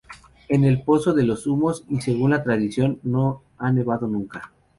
En el Pozo de los Humos y según la tradición no ha nevado nunca.